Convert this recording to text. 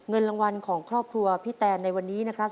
เงินรางวัลของครอบครัวพี่แตนในวันนี้นะครับ